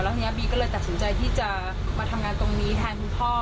ทีนี้บีก็เลยตัดสินใจที่จะมาทำงานตรงนี้แทนคุณพ่อ